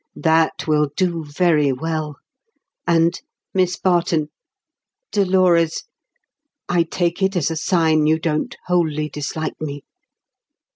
"That will do very well. And, Miss Barton—Dolores—I take it as a sign you don't wholly dislike me."